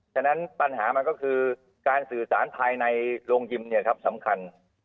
ฉะนั้นปัญหามันก็คือการสื่อสารภายในโรงยิมสำคัญ